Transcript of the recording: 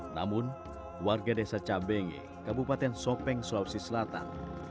namun warga desa cabenge kabupaten sopeng sulawesi selatan